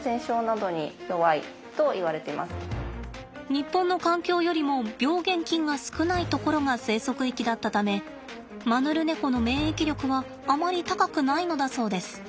日本の環境よりも病原菌が少ない所が生息域だったためマヌルネコの免疫力はあまり高くないのだそうです。